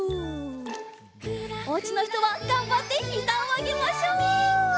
おうちのひとはがんばってひざをあげましょう！